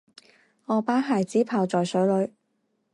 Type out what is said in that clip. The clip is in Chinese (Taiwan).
我把鞋子泡在水裡